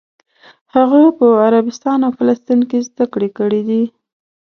هغه په عربستان او فلسطین کې زده کړې کړې دي.